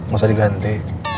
gak usah diganti